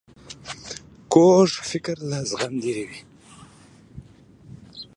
کوږ فکر له زغم لیرې وي